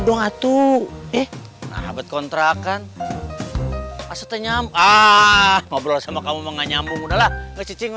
doang atuh eh nah bet kontrakan asetnya mah ngobrol sama kamu mengenyamung adalah kecing